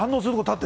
って